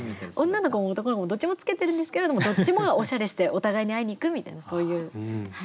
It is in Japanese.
女の子も男の子もどっちも着けてるんですけれどもどっちもがおしゃれしてお互いに会いに行くみたいなそういう。